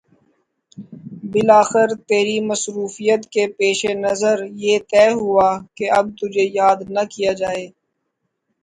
بالآخر تیری مصروفیت کے پیش نظریہ تہہ ہوا کے اب تجھے یاد نہ کیا جائے